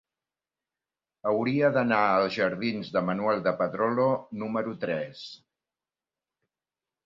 Hauria d'anar als jardins de Manuel de Pedrolo número tres.